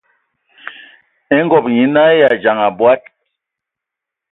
E ngob nyina dza ndaŋ abɔad.